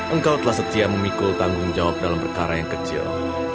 engkau telah setia dalam perkara kecil